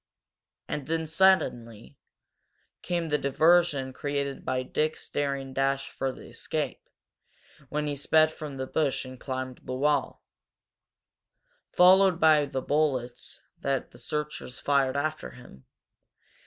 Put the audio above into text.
And then, quite suddenly, came the diversion created by Dick's daring dash for escape, when he sped from the bush and climbed the wall, followed by the bullets that the searchers fired after him.